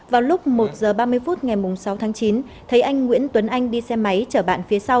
vào lúc một h ba mươi phút ngày sáu tháng chín thấy anh nguyễn tuấn anh đi xe máy chở bạn phía sau